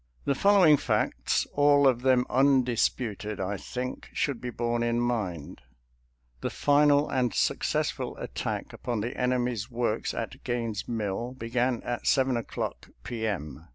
The following facts, all of them undisputed, I think, should be borne in mind. The final and successful attack upon the enemy's works at Gaines' Mill began at 7 o'clock p. M.